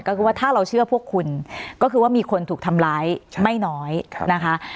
ก็คือว่าถ้าเราเชื่อพวกคุณก็คือว่ามีคนถูกทำร้ายไม่น้อยนะคะ